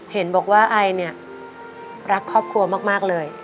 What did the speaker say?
เห็นบอกว่าไอเนี่ยรักครอบครัวมากเลย